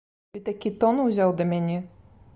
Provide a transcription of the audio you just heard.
Ты такі тон узяў да мяне?